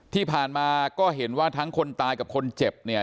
ที่ผ่านมาก็เห็นว่าทั้งคนตายกับคนเจ็บเนี่ย